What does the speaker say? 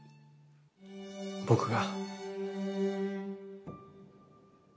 僕が。